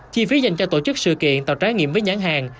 chi phí dành cho tổ chức sự kiện tạo trái nghiệm với nhãn hàng